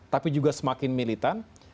tapi juga semakin militan